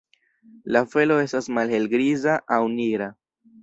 La felo estas malhelgriza aŭ nigra.